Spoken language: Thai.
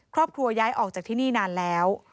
ครอบครัวย้ายออกจากที่นี่นานแล้ว